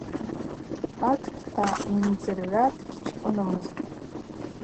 Къвартпа йымдзыргӏвуа дгьчкӏвынмызтӏ.